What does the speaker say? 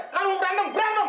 kalo mau berantem berantem